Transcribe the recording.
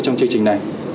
trong chương trình này